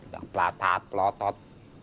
yang pelatat pelotot